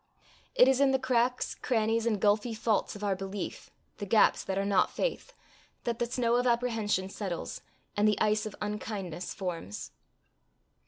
It is in the cracks, crannies, and gulfy faults of our belief, the gaps that are not faith, that the snow of apprehension settles, and the ice of unkindness forms.